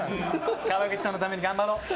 川口さんのために頑張ろう。